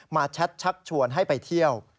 แชทชักชวนให้ไปเที่ยว